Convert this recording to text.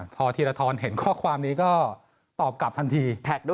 พอธีรฐรเห็นข้อความนี้ก็ตอบกลับทันที